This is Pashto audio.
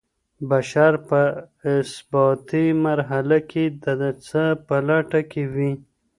بشر په اثباتي مرحله کي د څه په لټه کي وي؟